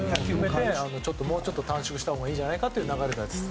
もうちょっと短縮したほうがいいんじゃないかという流れです。